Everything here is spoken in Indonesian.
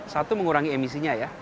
satu mengurangi emisinya ya